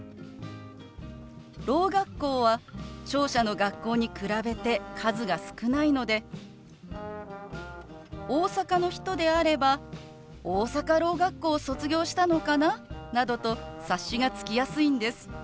ろう学校は聴者の学校に比べて数が少ないので大阪の人であれば大阪ろう学校を卒業したのかななどと察しがつきやすいんです。